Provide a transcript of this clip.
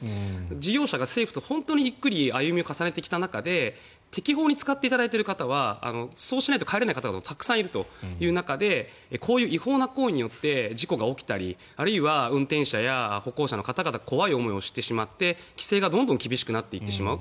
事業者が政府と本当にゆっくり歩みを重ねてきた中で適法に使っている方はそうしないと帰れない方がたくさんいるという中でこういう違法な行為によって事故が起きたりあるいは運転者や歩行者の方々が怖い思いをしてしまって規制がどんどん厳しくなっていってしまう。